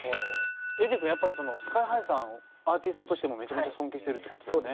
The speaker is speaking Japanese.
ｅｄｈｉｉｉ君やっぱりＳＫＹ−ＨＩさんをアーティストとしてもめちゃめちゃ尊敬してるってことだよね？